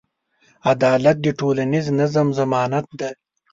عدالت د ټولنیز نظم ضمانت دی.